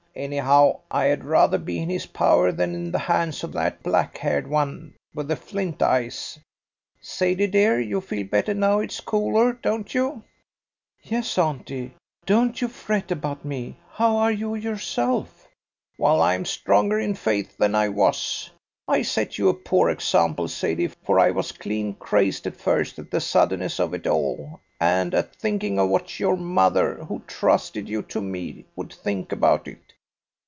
Anyhow, I had rather be in his power than in the hands of that black haired one with the flint eyes. Sadie, dear, you feel better now its cooler, don't you?" "Yes, auntie; don't you fret about me. How are you yourself?" "Well, I'm stronger in faith than I was. I set you a poor example, Sadie, for I was clean crazed at first at the suddenness of it all, and at thinking of what your mother, who trusted you to me, would think about it.